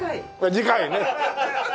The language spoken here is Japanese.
次回ね。